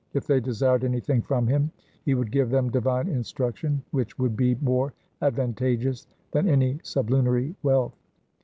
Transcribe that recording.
If they desired anything from him he would give them divine instruction, which would be more advantageous than any sublunary wealth.